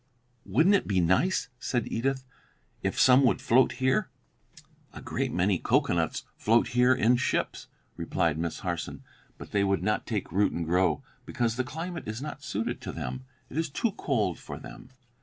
'" "Wouldn't it be nice," said Edith, "if some would float here?" "A great many cocoanuts float here in ships," replied Miss Harson, "but they would not take root and grow, because the climate is not suited to them; it is too cold for them.